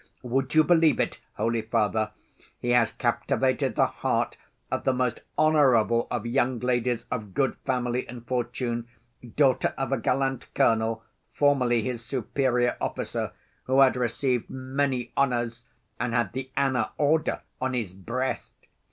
Would you believe it, holy Father, he has captivated the heart of the most honorable of young ladies of good family and fortune, daughter of a gallant colonel, formerly his superior officer, who had received many honors and had the Anna Order on his breast.